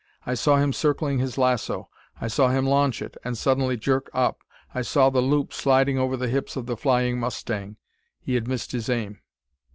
I saw him circling his lasso; I saw him launch it, and suddenly jerk up; I saw the loop sliding over the hips of the flying mustang. He had missed his aim.